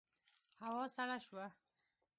هوا سړه شوه.